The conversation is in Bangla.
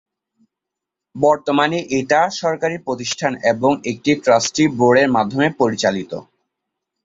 বর্তমানে এটা সরকারি প্রতিষ্ঠান এবং একটি ট্রাস্টি বোর্ডের মাধ্যমে পরিচালিত।